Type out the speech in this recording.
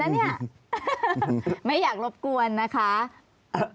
ลุงเอี่ยมอยากให้อธิบดีช่วยอะไรไหม